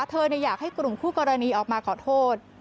อยากให้กลุ่มคู่กรณีออกมาขอโทษ